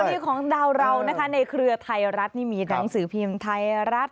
วันนี้ของดาวเรานะคะในเครือไทยรัฐนี่มีหนังสือพิมพ์ไทยรัฐ